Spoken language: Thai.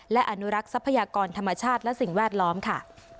และอนุรักษ์ทรัพยากรธรรมชาติและสิ่งแวดล้อมค่ะ